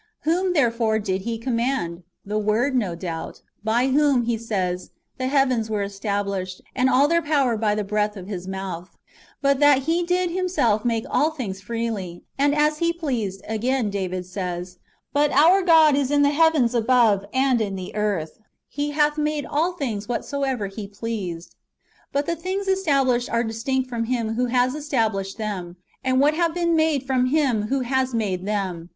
Whom, therefore, did He command? The Word, no doubt, " by whom," he says, " the heavens were established, and all their power by the breath of His mouth." "^ But that He did Himself make all things freely, and as He pleased, again 1 Matt. xii. 20 Jer. xxxi. 11. iJ John i. 3. "* Ps. xxxiii. 6. Book hi.] IBENJEUS AGAINST HERESIES. 277 David says, " But our God is in the heavens above, and in the earth; He hath made all things whatsoever He pleased."^ But the things established are distinct from Him who has established them, and what have been made from Him who has made them.